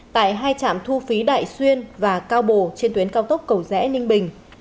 tại hai trạm thu phí đại xuyên và cao bồ trên tuyến cao tốc cầu rẽ ninh bình